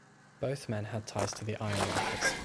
Both men had ties to the Ironworkers.